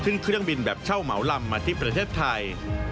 เครื่องบินแบบเช่าเหมาลำมาที่ประเทศไทย